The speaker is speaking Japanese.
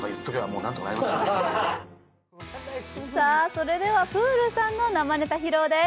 それではプールさんの生ネタ披露です。